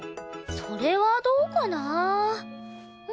それはどうかな？